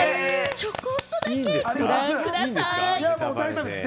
ちょこっとだけご覧ください。